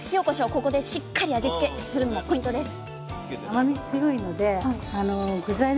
ここでしっかり味付けするのもポイントです